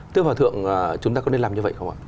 thưa hòa thượng chúng ta có nên làm như vậy không ạ